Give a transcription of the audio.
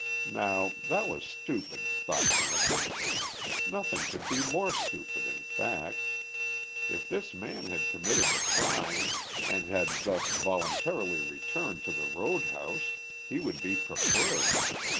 Now that was stupid, thought Winifred. Nothing could be more stupid, in fact. If this man had committed the crime and had thus voluntarily returned to the road house, he would be prepared.